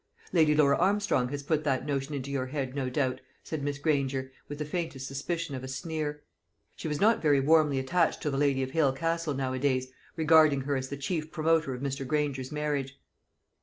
"Lady Laura Armstrong has put that notion into your head, no doubt," said Miss Granger, with the faintest suspicion of a sneer. She was not very warmly attached to the lady of Hale Castle nowadays, regarding her as the chief promoter of Mr. Granger's marriage.